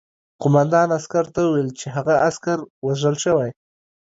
قوماندان عسکر ته وویل چې هغه عسکر وژل شوی